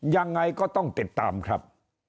ยังไงก็ต้องติดตามครับ